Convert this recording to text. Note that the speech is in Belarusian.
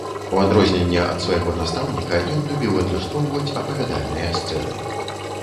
У адрозненне ад свайго настаўніка, ён любіў адлюстроўваць апавядальныя сцэны.